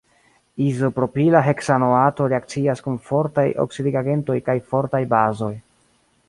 Izopropila heksanoato reakcias kun fortaj oksidigagentoj kaj fortaj bazoj.